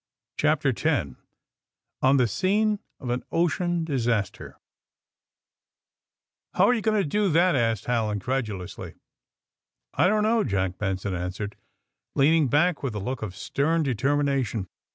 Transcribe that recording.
CHAPTER X ON THE SCENE OP AN OCEAN BISASTEB •« "f f OW are you going to do thaf?" asked Hal incredulously. I don't know," Jack Benson an swered, leaning back with a look of stern deter mination.